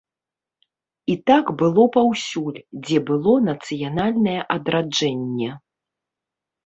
І так было паўсюль, дзе было нацыянальнае адраджэнне.